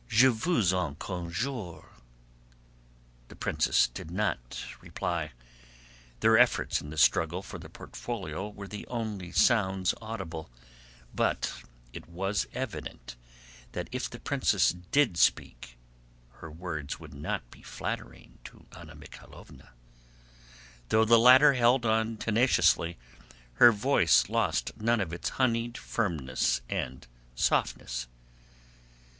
Je vous en conjure..." The princess did not reply. Their efforts in the struggle for the portfolio were the only sounds audible, but it was evident that if the princess did speak, her words would not be flattering to Anna Mikháylovna. Though the latter held on tenaciously, her voice lost none of its honeyed firmness and softness.